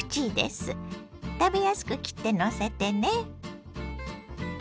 食べやすく切ってのせてね。